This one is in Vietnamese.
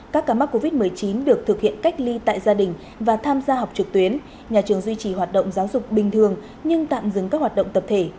các ca mắc covid một mươi chín được thực hiện cách ly tại gia đình và tham gia học trực tuyến nhà trường duy trì hoạt động giáo dục bình thường nhưng tạm dừng các hoạt động tập thể